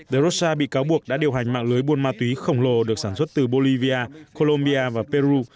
de rossa bị cáo buộc đã điều hành mạng lưới buôn ma túy khổng lồ được sản xuất từ bolivia colombia và peru